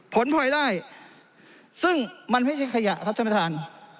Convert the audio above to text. พลอยได้ซึ่งมันไม่ใช่ขยะครับท่านประธาน